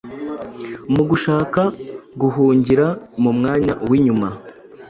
mu gushaka guhungira mu mwanya w’inyuma